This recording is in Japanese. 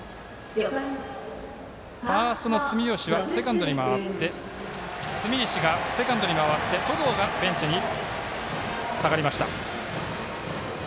ファーストの住石はセカンドに回って登藤がベンチに下がりました。